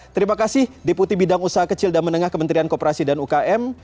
terima kasih deputi bidang usaha kecil dan menengah kementerian kooperasi dan ukm